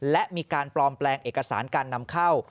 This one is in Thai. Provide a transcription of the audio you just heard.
และมีการปลอมแปลงเอกสารการนำเข้า